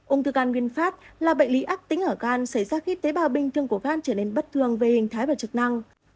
ung thư gan vinfast là bệnh lý ác tính ở gan xảy ra khi tế bào bình thường của gan trở nên bất thường về hình thái và trực năng